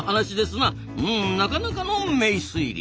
うんなかなかの名推理。